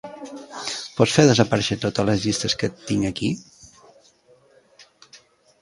Pots fer desaparèixer totes les llistes que tinc aquí?